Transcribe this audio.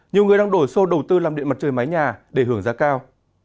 nhiều người đang đổi số đầu tư làm điện mặt trời mái nhà để hưởng giá cao